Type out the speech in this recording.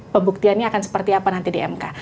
pembuktiannya akan seperti apa nanti di mk